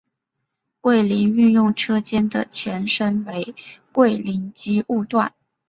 桂林运用车间的前身为桂林机务段。